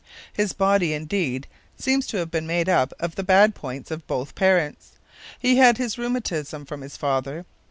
His body, indeed, seems to have been made up of the bad points of both parents: he had his rheumatism from his father.